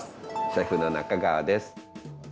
シェフの中川です。